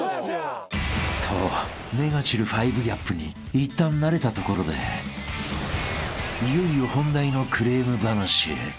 ［と目が散る５ＧＡＰにいったん慣れたところでいよいよ本題のクレーム話へ］